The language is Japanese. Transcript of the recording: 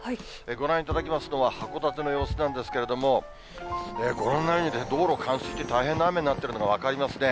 ご覧いただきますのは、函館の様子なんですけれども、ご覧のように、道路、冠水して大変な雨になっているのが分かりますね。